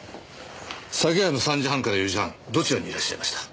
昨夜の３時半から４時半どちらにいらっしゃいました？